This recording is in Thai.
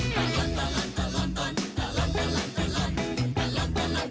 สวัสดีค่ะ